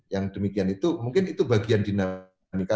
yang demikian itu mungkin itu bagian dinamika